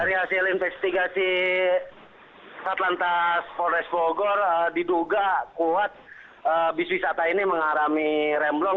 dari hasil investigasi atlantas forest bogor diduga kuat bis wisata ini mengarami remblong